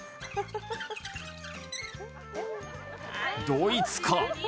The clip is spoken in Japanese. ドイツか？